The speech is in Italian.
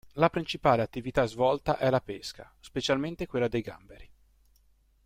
La principale attività svolta è la pesca, specialmente quella dei gamberi.